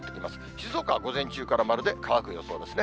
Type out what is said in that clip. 静岡は午前中から〇で乾く予想ですね。